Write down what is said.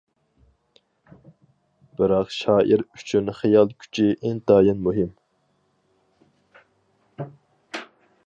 بىراق شائىر ئۈچۈن خىيال كۈچى ئىنتايىن مۇھىم.